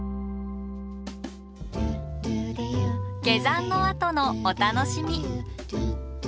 下山のあとのお楽しみ。